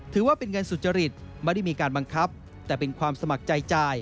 ถือว่าเป็นเงินสุจริตไม่ได้มีการบังคับแต่เป็นความสมัครใจจ่าย